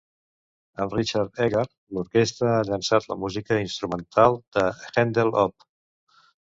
Amb Richard Egarr, l'orquestra ha llançat la música instrumental de Handel Opp.